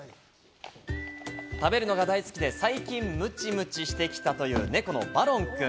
食べるのが大好きで、最近ムチムチしてきたという猫のバロンくん。